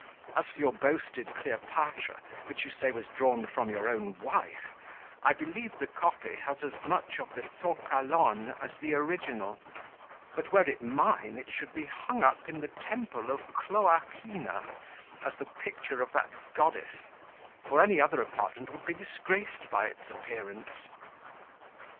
As for your boasted Cleopatra, which you say was drawn from your own wife, I believe the copy has as much as the original: but, were it mine, it should be hung up in the Temple of Cloacina, as the picture of that goddess; for any other apartment would be disgraced by its appearance."